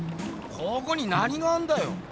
ここに何があんだよ？